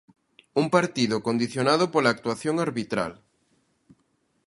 Un partido condicionado pola actuación arbitral.